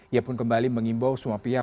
ia pun kembali mengimbau semua pihak